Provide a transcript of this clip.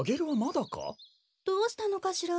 どうしたのかしら？